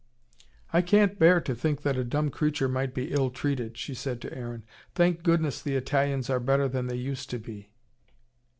"I can't bear to think that a dumb creature might be ill treated," she said to Aaron. "Thank goodness the Italians are better than they used to be."